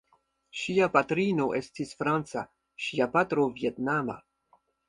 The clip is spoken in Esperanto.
Ŝia patrino estis franca, ŝia patro vjetnama.